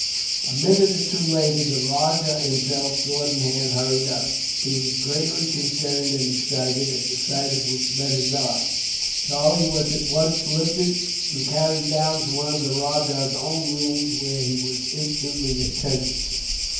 A minute or two later the rajah himself, sword in hand, hurried up. He was greatly concerned, and excited, at the sight which met his eyes. Charlie was at once lifted, and carried down to one of the rajah's own rooms, where he was instantly attended to.